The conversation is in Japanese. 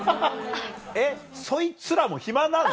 えっそいつらも暇なの？